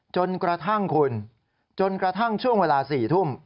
จนกระทั่งคุณจนกระทั่งช่วงเวลา๔ทุ่ม